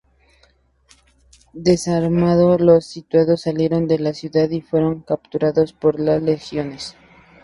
Desarmados, los sitiados salieron de la ciudad y fueron capturados por las legiones.